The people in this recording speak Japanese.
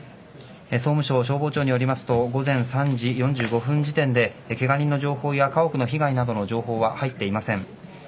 総務省消防庁によりますと午前３時４５分時点でけが人の情報や、家屋の被害の情報は入っていません。